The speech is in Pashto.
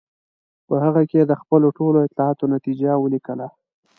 په هغه کې یې د خپلو ټولو اطلاعاتو نتیجه ولیکله.